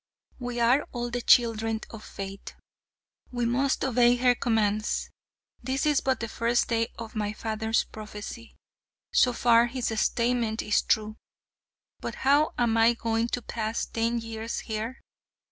We are all the children of fate. We must obey her commands. This is but the first day of my father's prophecy. So far his statement is true. But how am I going to pass ten years here?